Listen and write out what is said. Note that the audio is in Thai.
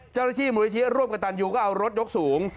เจ้าหน้าที่มูลนิธิร่วมกับตันยูก็เอารถยกสูง